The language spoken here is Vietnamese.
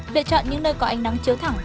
lựa chọn những nơi có ánh nắng chiếu thẳng